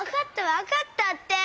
わかったって！